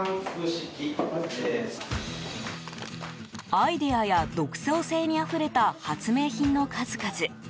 アイデアや独創性にあふれた発明品の数々。